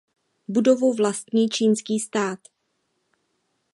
Budovu vlastní Čínský stát.